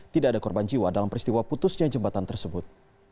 tidak ada korban jiwa dalam peristiwa putusnya jembatan tersebut